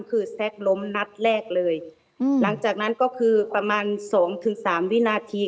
คือแซ็กล้มนัดแรกเลยอืมหลังจากนั้นก็คือประมาณสองถึงสามวินาที